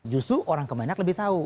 justru orang kemenak lebih tahu